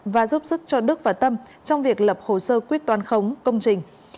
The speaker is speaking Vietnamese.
và giúp sức cho đức và tâm trong việc lập hồ sơ quyết toán khống công trình